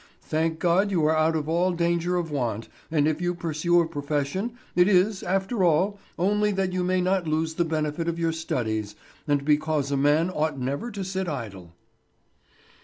Thank God you are out of all danger of want, and if you pursue a profession, it is, after all, only that you may not lose the benefit of your studies, and because a man ought never to sit idle."